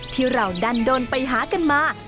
ที่เราดันโดนไปหากันมา